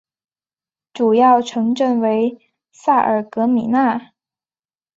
主要城镇为萨尔格米讷。